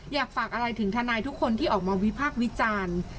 อยากฝากอะไรถึงทนายทุกคนที่ออกมาวิพากษ์วิจารณ์